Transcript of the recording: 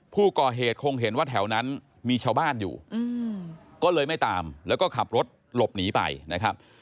ผู้ก่อเหตุคงเห็นว่าแถวนั้นมีชาวบ้านอยู่ก็เลยไม่ตามแล้วก็ขับรถหลบหนีไปนะครับ